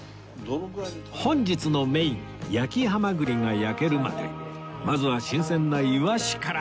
本日のメイン焼きハマグリが焼けるまでまずは新鮮ないわしから